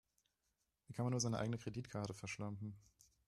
Wie kann man nur seine eigene Kreditkarte verschlampen?